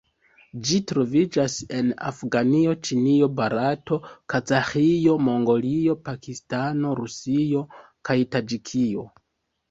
Ĝi troviĝas en Afganio, Ĉinio, Barato, Kazaĥio, Mongolio, Pakistano, Rusio kaj Taĝikio.